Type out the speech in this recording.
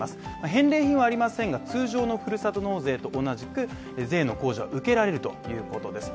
返礼品はありませんが、通常のふるさと納税と同じく税の控除は受けられるということです。